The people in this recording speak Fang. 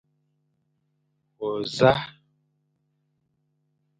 We nẑa ?